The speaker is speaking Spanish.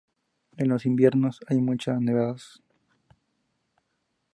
En los inviernos, hay muchas nevadas.